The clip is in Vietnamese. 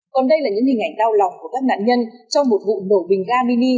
còn đây là những hình ảnh đau lòng của các nạn nhân trong một vụ nổ bình ga mini